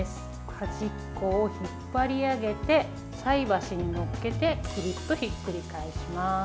端っこを引っ張り上げて菜箸に載っけてくるっとひっくり返します。